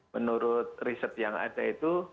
menurut riset yang ada itu